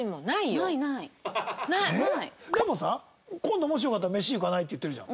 でもさ「今度もしよかったらメシ行かない？」って言ってるじゃん。